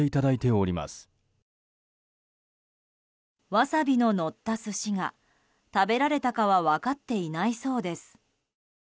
ワサビののった寿司が食べられたかは分かっていないそうです。